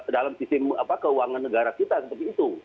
dalam sistem keuangan negara kita seperti itu